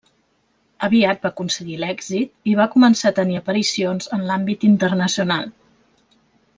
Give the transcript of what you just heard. Aviat va aconseguir l'èxit, i va començar a tenir aparicions en l'àmbit internacional.